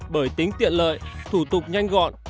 bởi tính tiện lợi thủ tục nhanh gọn